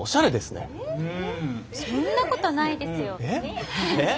そんなことないですよ。ね？